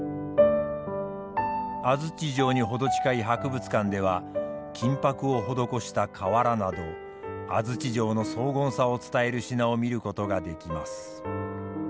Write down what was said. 安土城に程近い博物館では金箔を施した瓦など安土城の荘厳さを伝える品を見ることができます。